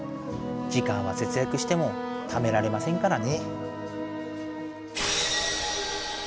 時間は節約してもためられませんからね。